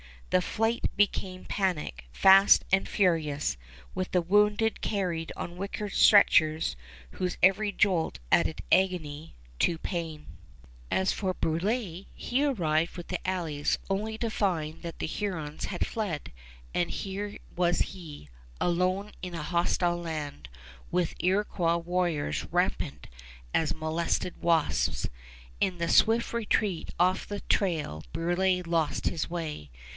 The flight became panic fast and furious, with the wounded carried on wicker stretchers whose every jolt added agony to pain. [Illustration: VIEW OF QUEBEC (From Champlain's plan)] As for Brulé, he arrived with the allies only to find that the Hurons had fled, and here was he, alone in a hostile land, with Iroquois warriors rampant as molested wasps. In the swift retreat off the trail Brulé lost his way.